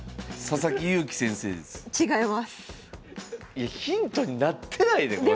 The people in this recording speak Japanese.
いやヒントになってないでこれ。